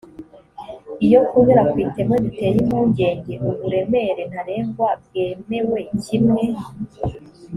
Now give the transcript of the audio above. iyo kunyura ku iteme biteye impungenge uburemere ntarengwa bwemewe kimwe